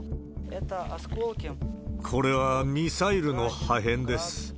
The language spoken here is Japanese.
これはミサイルの破片です。